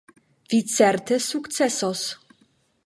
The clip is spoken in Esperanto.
Vi certe sukcesos.